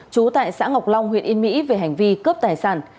trú tại xã ngọc long huyện yên mỹ về hành vi cướp tài sản